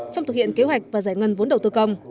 trong thực hiện kế hoạch và giải ngân vốn đầu tư công